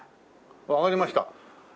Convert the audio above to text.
わかりました。